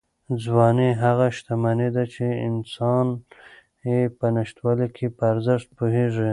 ځواني هغه شتمني ده چې انسان یې په نشتوالي کې په ارزښت پوهېږي.